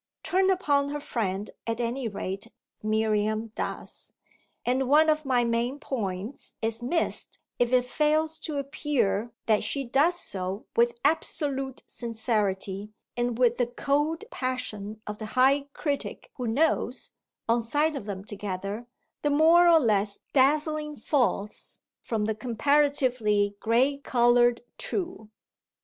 Turn upon her friend at any rate Miriam does; and one of my main points is missed if it fails to appear that she does so with absolute sincerity and with the cold passion of the high critic who knows, on sight of them together, the more or less dazzling false from the comparatively grey coloured true.